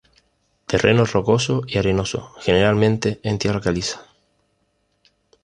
Terreno rocoso y arenoso, generalmente en tierra caliza.